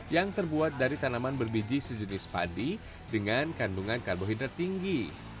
yang nama berbiji sejenis padi dengan kandungan karbohidrat tinggi